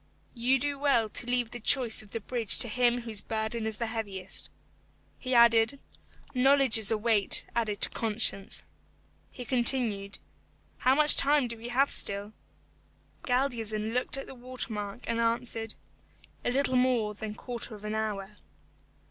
You do well to leave the choice of the bridge to him whose burden is the heaviest." He added, "Knowledge is a weight added to conscience." He continued, "How much time have we still?" Galdeazun looked at the water mark, and answered, "A little more than a quarter of an hour."